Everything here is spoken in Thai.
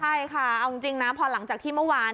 ใช่ค่ะเอาจริงนะพอหลังจากที่เมื่อวาน